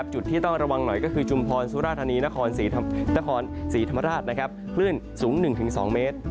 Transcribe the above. จุดที่ต้องระวังหน่อยก็คือชุมพรสุราธานีนครศรีธรรมราชคลื่นสูง๑๒เมตร